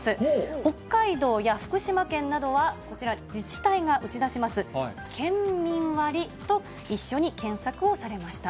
北海道や福島県などはこちら、自治体が打ち出します県民割と一緒に検索をされました。